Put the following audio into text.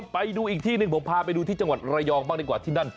ไปดูอีกที่หนึ่งผมพาไปดูที่จังหวัดระยองบ้างดีกว่าที่นั่น